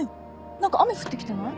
何か雨降ってきてない？